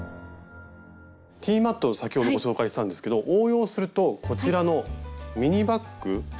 ティーマットを先ほどご紹介したんですけど応用するとこちらのミニバッグ。